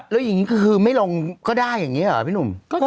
แล้วอย่างนี้คือไม่ลงก็ได้อย่างนี้หรอพี่หนุ่ม